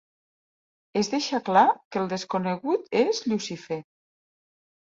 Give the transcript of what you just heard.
Es deixa clar que el desconegut és Llucifer.